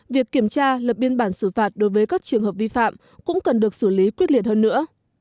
việc kiểm tra lập biên bản xử phạt đối với các trường hợp vi phạm cũng cần được xử lý quyết liệt hơn nữa